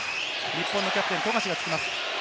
日本のキャプテン・富樫がつきます。